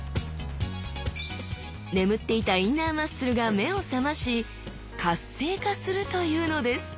眠っていたインナーマッスルが目を覚まし活性化するというのです！